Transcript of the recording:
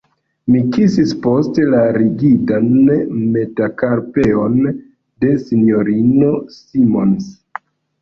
Mi kisis poste la rigidan metakarpeon de S-ino Simons.